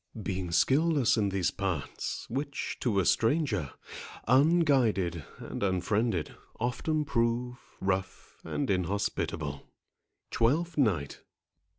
Being skilless in these parts, which, to a stranger, Unguided and unfriended, often prove Rough and inhospitable. TWELFTH NIGHT.